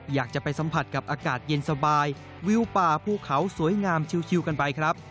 อยากจะไปสัมผัสกับอากาศเย็นสบายวิวป่าภูเขาสวยงามชิวกันไปครับ